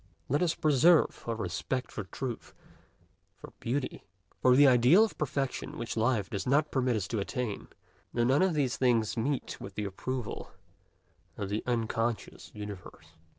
Let us preserve our respect for truth, for beauty, for the ideal of perfection which life does not permit us to attain, though none of these things meet with the approval of the unconscious universe.